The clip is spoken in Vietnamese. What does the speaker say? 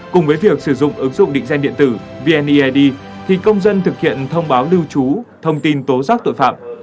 cùng với việc sử dụng ứng dụng định danh điện tử vneid thì công dân thực hiện thông báo lưu trú thông tin tố giác tội phạm